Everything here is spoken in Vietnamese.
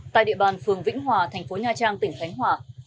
tại địa bàn phường vĩnh hòa thành phố nha trang tỉnh khánh hòa